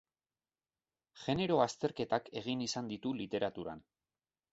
Genero azterketak egin izan ditu literaturan.